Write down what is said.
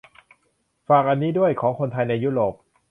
ฝากอันนี้ด้วย ของคนไทยในยุโรป